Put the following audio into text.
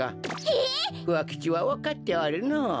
ふわ吉はわかっておるのう。